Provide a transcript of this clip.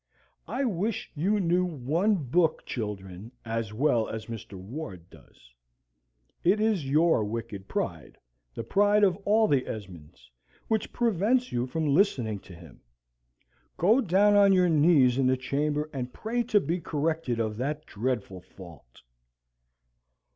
I wish you knew one book, children, as well as Mr. Ward does. It is your wicked pride the pride of all the Esmonds which prevents you from listening to him. Go down on your knees in your chamber and pray to be corrected of that dreadful fault."